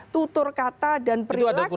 tutur kata dan perilaku